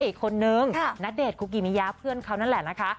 อีกคนนึงณเดชนคุกิมิยาเพื่อนเขานั่นแหละนะคะ